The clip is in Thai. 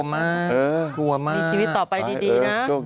น่ากลัวมาก